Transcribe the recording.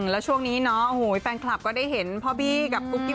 แล้วช่วงนี้เนาะโอ้โหแฟนคลับก็ได้เห็นพ่อบี้กับกุ๊กกิ๊